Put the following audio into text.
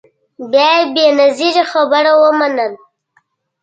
بیا یې بنظیري خبره ومنله